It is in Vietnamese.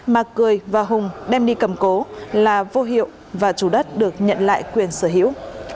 mà cười và hùng đem đi cầm cố là vô hiệu và chủ đất được nhận lại quyền sở hữu